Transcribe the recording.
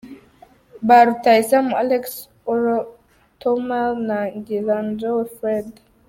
Ba Rutahizamu:Alex Orotomal na Ngiladjoe Fred.